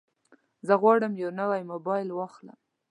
زه غواړم یو نوی موبایل واخلم.